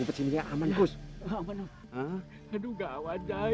kumpul raja babi sarang ya